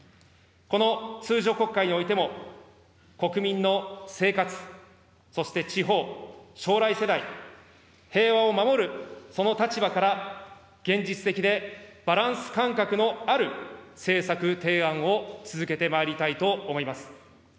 この通常国会においても、国民の生活、そして地方、将来世代、平和を守るその立場から、現実的でバランス感覚のある政策提案を続けてまいりたいと思います。